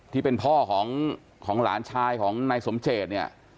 ที่เป็นพ่อของหลานชายของนายสมเจตเนี่ย